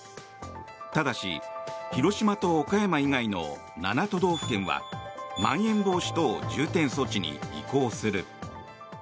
ただし広島と岡山以外の７都道府県はまん延防止等重点措置に移行する。